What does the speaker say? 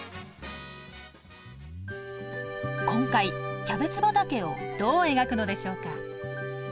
今回キャベツ畑をどう描くのでしょうか？